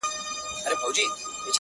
د کهول یو غړی تنها مات کړي,